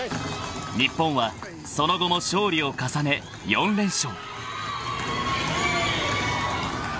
［日本はその後も勝利を重ね４連勝］